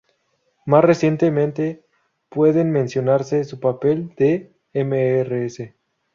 Más recientemente pueden mencionarse su papel de "Mrs.